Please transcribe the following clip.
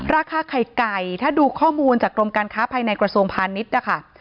ราคาไข่ไก่ถ้าดูข้อมูลจากกรมการค้าภายในกระทรวงพาณิชย์นะคะ